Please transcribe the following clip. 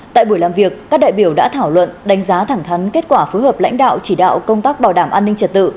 tại buổi làm việc các đại biểu đã thảo luận đánh giá thẳng thắn kết quả phối hợp lãnh đạo chỉ đạo công tác bảo đảm an ninh trật tự